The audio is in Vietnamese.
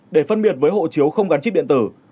để phân biệt với hộ chiếu không gắn chip điện tử